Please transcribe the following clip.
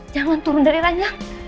jangan turun dari ranjang